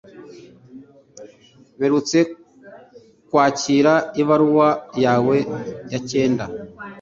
Mperutse kwakira ibaruwa yawe ya cyenda.